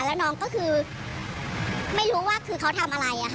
แล้วน้องก็คือไม่รู้ว่าคือเขาทำอะไร